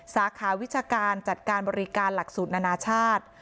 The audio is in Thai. สาขาวิชาการจัดการบริการหลักสูตรนานาชาติ